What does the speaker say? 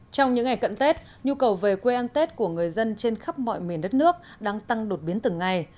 trong những ngày cận tết nhu cầu về quê ăn tết của người dân trên khắp mọi miền đất nước đang tăng đột biến từng ngày